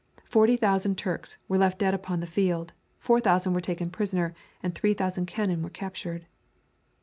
Forty thousand Turks were left dead upon the field, four thousand were taken prisoners and three thousand cannon were captured.